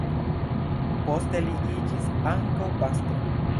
Poste li iĝis ankaŭ pastro.